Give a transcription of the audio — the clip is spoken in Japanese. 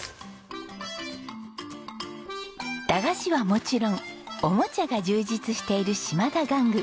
駄菓子はもちろんおもちゃが充実している島田玩具。